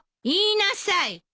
言いなさい！